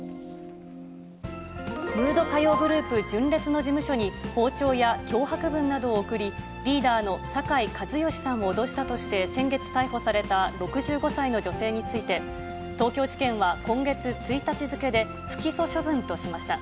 ムード歌謡グループ、純烈の事務所に、包丁や脅迫文などを送り、リーダーの酒井一圭さんを脅したとして先月逮捕された６５歳の女性について、東京地検は今月１日付で、不起訴処分としました。